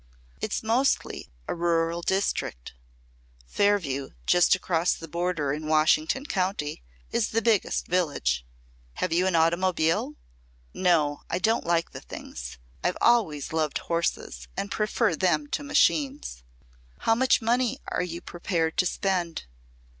It's mostly a rural district. Fairview, just across the border in Washington County, is the biggest village." "Have you an automobile?" "No; I don't like the things. I've always loved horses and prefer them to machines." "How much money are you prepared to spend?"